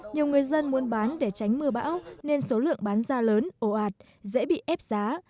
nhiều người dân muốn bán để tránh mưa bão nên số lượng bán ra lớn ồ ạt dễ bị ép giá